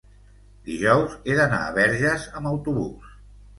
dijous he d'anar a Verges amb autobús.